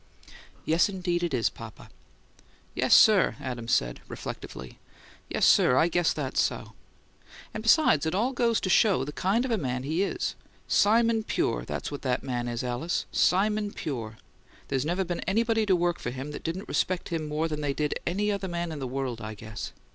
"Yes, indeed, it is, papa." "Yes, sir," Adams said, reflectively. "Yes, sir, I guess that's so. And besides, it all goes to show the kind of a man he is. Simon pure, that's what that man is, Alice. Simon pure! There's never been anybody work for him that didn't respect him more than they did any other man in the world, I guess.